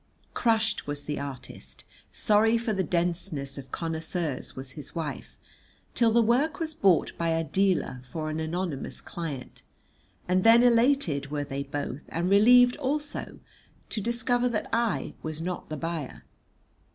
Crushed was the artist, sorry for the denseness of connoisseurs was his wife, till the work was bought by a dealer for an anonymous client, and then elated were they both, and relieved also to discover that I was not the buyer.